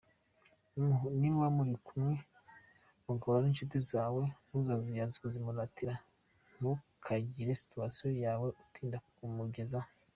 Nimuba muri kumwe mugahura n’inshuti zawe ntukazuyaze kumuziratira! Ntukagire situation yawe utinda kumugezaho.